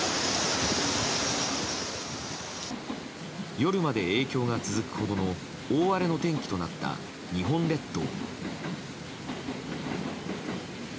夜まで影響が続くほどの大荒れの天気となった日本列島。